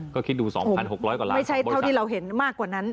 ก็คิดดู๒๖๐๐กว่าล้านไม่ใช่เท่าที่เราเห็นมากกว่านั้น